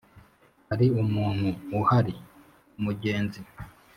'hari umuntu uhari?' umugenzi,